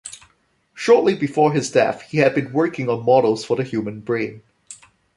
Shortly before his death, he had been working on models for the human brain.